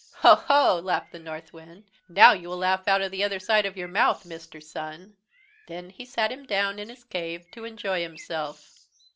"'Ho, ho!' laughed the Northwind.' Now you will laugh on the other side of your mouth, Mr. Sun.' "Then he sat him down in his cave to enjoy himself.